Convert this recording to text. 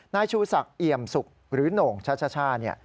นายชูศักดิ์เอี่ยมสุกหรือโหน่งช่าเนี่ย